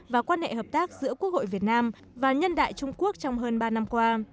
và quan hệ hợp tác giữa quốc hội việt nam và nhân đại trung quốc trong hơn ba năm qua